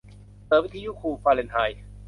เปิดวิทยุคูลฟาเรนไฮต์